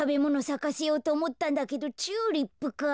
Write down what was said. さかせようとおもったんだけどチューリップか。